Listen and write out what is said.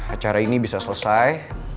acara ini bisa selesai